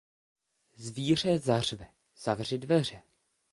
Zvíře zařve: zavři dveře!